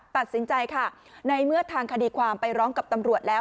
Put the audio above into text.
ตัดสินใจค่ะในเมื่อทางคดีความไปร้องกับตำรวจแล้ว